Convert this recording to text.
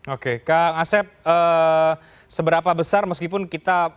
oke kang asep seberapa besar meskipun kita